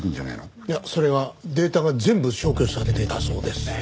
いやそれがデータが全部消去されていたそうです。